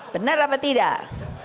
benar apa tidak